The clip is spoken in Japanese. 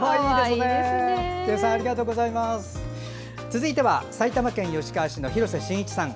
続いては、埼玉県吉川市廣瀬伸一さん。